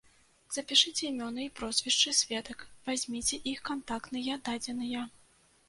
Запішыце імёны і прозвішчы сведак, вазьміце іх кантактныя дадзеныя.